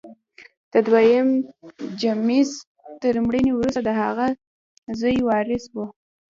د دویم جېمز تر مړینې وروسته د هغه زوی وارث و.